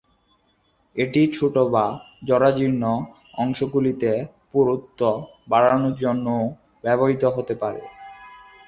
এটি ছোট বা জরাজীর্ণ অংশগুলিতে পুরুত্ব বাড়ানোর জন্যও ব্যবহৃত হতে পারে।